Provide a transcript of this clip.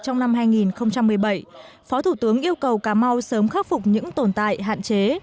trong năm hai nghìn một mươi bảy phó thủ tướng yêu cầu cà mau sớm khắc phục những tồn tại hạn chế